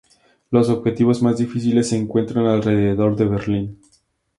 Los objetivos más difíciles se encuentran alrededor de Berlín.